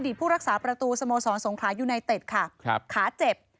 อดีตผู้รักษาประตูสโมสรสงครายุนายเต็ดค่ะครับขาเจ็บ